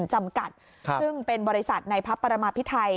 จำกัดซึ่งเป็นบริษัทในพระปรมาพิไทย